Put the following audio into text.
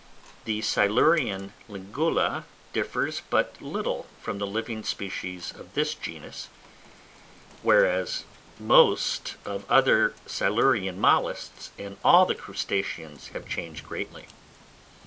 The Silurian Lingula differs but little from the living species of this genus; whereas most of the other Silurian Molluscs and all the Crustaceans have changed greatly.